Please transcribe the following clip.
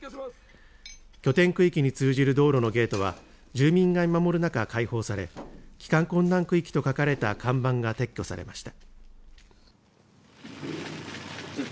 拠点区域に通じる道路のゲートは住民が見守る中、開放され帰還困難区域と書かれた看板が撤去されました。